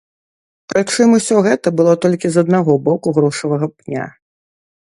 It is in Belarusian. Прычым усё гэта было толькі з аднаго боку грушавага пня.